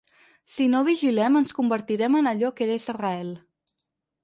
Si no vigilem, ens convertirem en allò que era Israel.